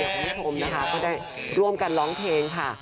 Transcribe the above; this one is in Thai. คุณผู้ชมนะคะก็ได้ร่วมกันร้องเพลงค่ะ